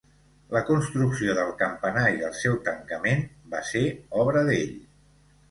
La construcció del campanar i el seu tancament va ser obra d'ell.